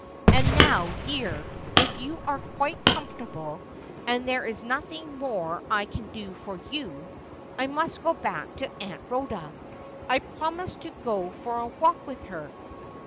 And now, dear, if you are quite comfortable, and there is nothing more I can do for you, I must go back to Aunt Rhoda. I promised to go for a walk with her.'